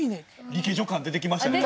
リケジョ感出てきましたね。